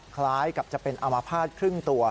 คล้ายกับจะเป็นอามภาษณ์ครึ่งตัว